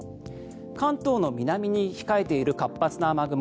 関東の南に控えている活発な雨雲